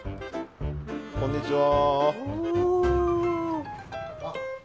こんにちは。